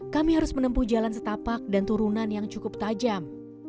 kami harus menempuh jalan setapak dan turunan yang cukup tajam